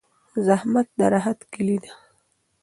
زحمت د راحت کیلي ده.